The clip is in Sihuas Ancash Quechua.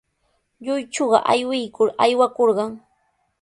Lluychuqa aywikur aywakurqan.